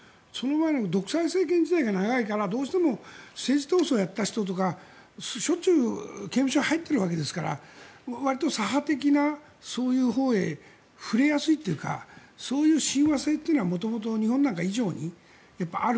独裁政権時代が長いからどうしても政治闘争をやった人とかしょっちゅう刑務所に入っているわけですからわりと左派的なそういうほうへ振れやすいというかそういう親和性は元々日本なんか以上にある。